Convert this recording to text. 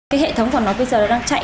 cái hệ thống của nó bây giờ đang chạy